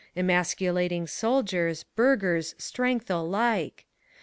Emasculating soldiers', burghers' strength alike!